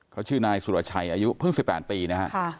เขาชื่อนายสุรชัยอายุเพิ่ง๑๘ปีนะฮะ